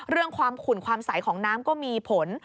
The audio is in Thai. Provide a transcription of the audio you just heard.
เรื่องความขุ่นความใสของน้ำก็มีผล